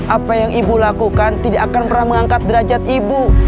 apa yang ibu lakukan tidak akan pernah mengangkat derajat ibu